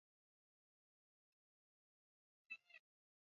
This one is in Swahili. aliye timiza miaka ishirini na mitano madarakani kumbuka upendo